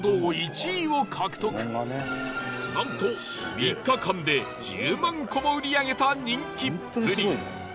なんと３日間で１０万個も売り上げた人気っぷり